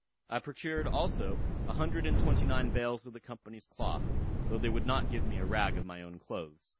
I procured also a hundred and twenty nine bales of the Company's cloth, though they would not give me a rag of my own clothes.